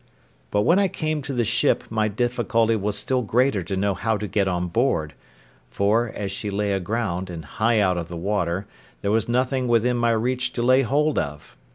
But when I came to the ship my difficulty was still greater to know how to get on board; for, as she lay aground, and high out of the water, there was nothing within my reach to lay hold of.